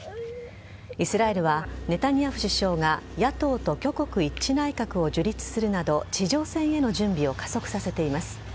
イスラエルはネタニヤフ首相が野党と挙国一致内閣を樹立するなど地上戦への準備を加速させています。